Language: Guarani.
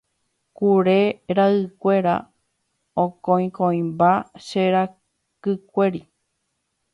kure ra'ykuéra okõikõimba che rakykuéri